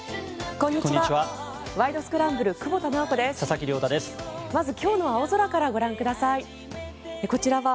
こんにちは。